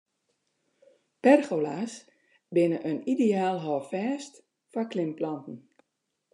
Pergola's binne in ideaal hâldfêst foar klimplanten.